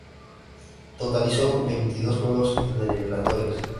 Totalizó veintidós juegos en eliminatorias.